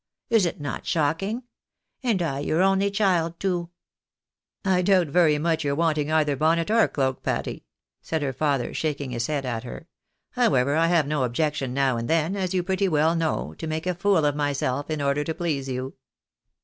Is it not shocking ? And I your only child, too !" "I doubt very much your wanting either bonnet or cloak, Patty," said her father, shaking his head at her ;" however, I have no objection now and then, as you pretty well know, to make a fool of myself, in order to please you."